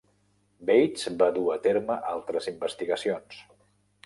Bates va dur a terme altres investigacions.